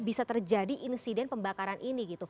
bisa terjadi insiden pembakaran ini gitu